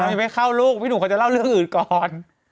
น้ำอย่าไปเข้าลูกพี่หนูก็จะเล่าเรื่องอื่นก่อน